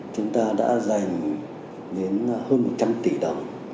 chúng ta đã dành đến hơn một trăm linh tỷ đồng